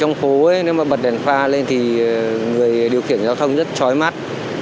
người trong phố bật đèn pha lên thì người điều khiển giao thông rất trói mắt